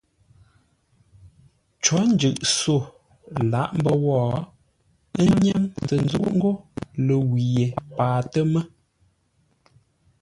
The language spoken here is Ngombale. Cǒ njʉʼ-sô lǎʼ mbə́ wó ə́ nyáŋ tə́ ńzúʼ ńgó ləwʉ̂ ye paatə́ mə́.